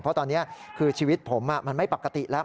เพราะตอนนี้คือชีวิตผมมันไม่ปกติแล้ว